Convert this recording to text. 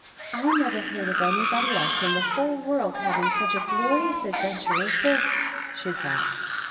I never heard of anybody else in the whole world haying snch a glorious adventore as this/' she thought.